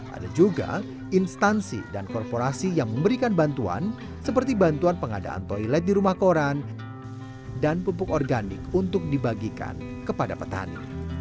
ada juga instansi dan korporasi yang memberikan bantuan seperti bantuan pengadaan toilet di rumah koran dan pupuk organik untuk dibagikan kepada petani